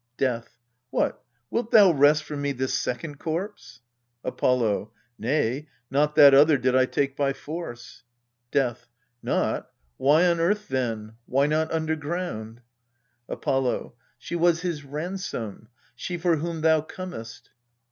Death. What, wilt thou wrest from me this second corpse ? Apollo. Nay, not that other did I take by force. Death. Not? why on earth then? why not under ground ? Apollo. She was his ransom, she for whom thou comest.